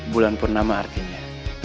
wulan purnama artinya